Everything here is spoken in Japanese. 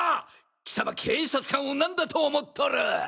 貴様警察官を何だと思っとる！？